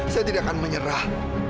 saya tidak akan menyerah